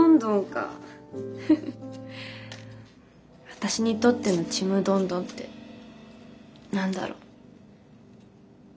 私にとってのちむどんどんって何だろう。